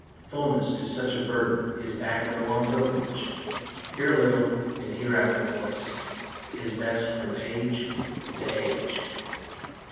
Fullness to such a burden is That go on pilgrimage: 10 Here little, and hereafter bliss, Is best from age to age.